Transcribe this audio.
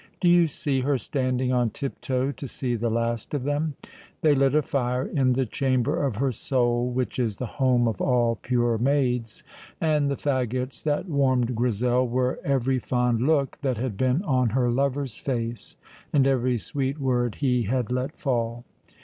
Do you see her standing on tiptoe to see the last of them? They lit a fire in the chamber of her soul which is the home of all pure maids, and the fagots that warmed Grizel were every fond look that had been on her lover's face and every sweet word he had let fall.